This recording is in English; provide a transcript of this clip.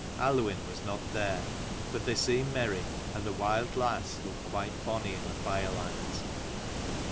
Aluinn was not there: but they seemed merry, and the wild lass looked quite bonny in the firelight.